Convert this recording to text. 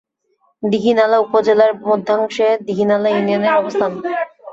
দীঘিনালা উপজেলার মধ্যাংশে দীঘিনালা ইউনিয়নের অবস্থান।